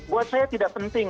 buat saya tidak penting